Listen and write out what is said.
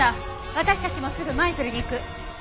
私たちもすぐ舞鶴に行く！